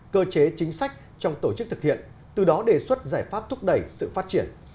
cơ chế chính sách trong tổ chức thực hiện từ đó đề xuất giải pháp thúc đẩy sự phát triển